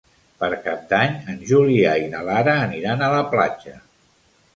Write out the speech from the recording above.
Per Cap d'Any en Julià i na Lara aniran a la platja.